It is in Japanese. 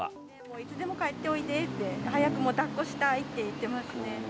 いつでも帰っておいでって、早くもうだっこしたいって言ってますね。